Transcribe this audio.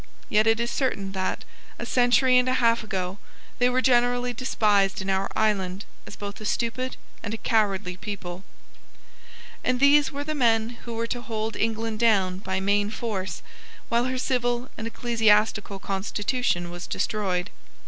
Yet it is certain that, a century and a half ago, they were generally despised in our island as both a stupid and a cowardly people. And these were the men who were to hold England down by main force while her civil and ecclesiastical constitution was destroyed.